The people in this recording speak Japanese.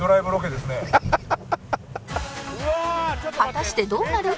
果たしてどうなる？